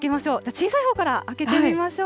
小さいほうから開けてみましょう。